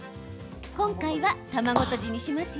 今回は卵とじにしますよ。